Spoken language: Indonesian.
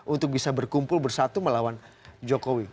untuk bisa berkumpul bersatu melawan jokowi